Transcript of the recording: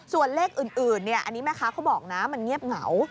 ส่วนเลขอื่นอันนี้แม่ค้าเขาบอกนะมันเงียบเหงา